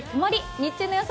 日中の予想